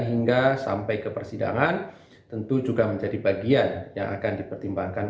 hingga sampai ke persidangan tentu juga menjadi bagian yang akan dipertimbangkan